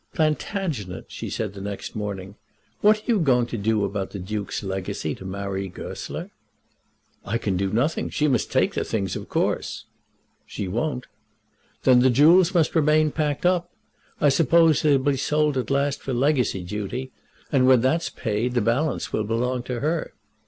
"Plantagenet," she said the next morning, "what are you going to do about the Duke's legacy to Marie Goesler?" "I can do nothing. She must take the things, of course." "She won't." "Then the jewels must remain packed up. I suppose they'll be sold at last for the legacy duty, and, when that's paid, the balance will belong to her."